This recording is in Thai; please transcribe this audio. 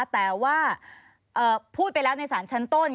แต่ว่าพูดไปแล้วในสารชั้นต้น